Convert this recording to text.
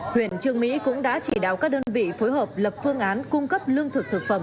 huyện trương mỹ cũng đã chỉ đạo các đơn vị phối hợp lập phương án cung cấp lương thực thực phẩm